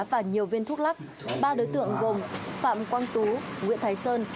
và nhiều viên thuốc lắc ba đối tượng gồm phạm quang tú nguyễn thái sơn